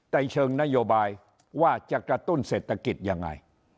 ในเชิงนโยบายว่าจะกระตุ้นเศรษฐกิจยังไง